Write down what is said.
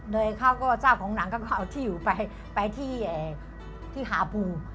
เขาก็เจ้าของหนังเขาก็เอาที่อยู่ไปที่หาปู